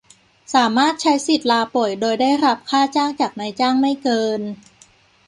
สามารถใช้สิทธิ์ลาป่วยโดยได้รับค่าจ้างจากนายจ้างไม่เกิน